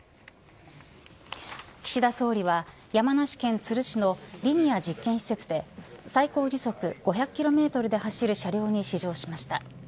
岸田総理は山梨県都留市のリニア実験施設で最高時速５００キロメートルで走る車両に試乗しました。